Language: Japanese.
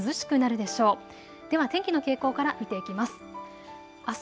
では天気の傾向から見ていきます。